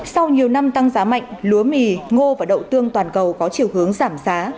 sau nhiều năm tăng giá mạnh lúa mì ngô và đậu tương toàn cầu có chiều hướng giảm giá